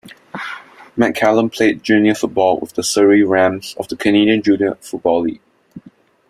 McCallum played junior football with the Surrey Rams of the Canadian Junior Football League.